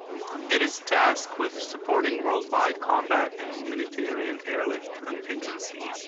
It is tasked with supporting worldwide combat and humanitarian airlift contingencies.